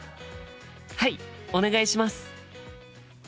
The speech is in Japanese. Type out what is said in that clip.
はいお願いします。